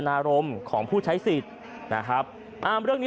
แล้วเราจะตามที่นี่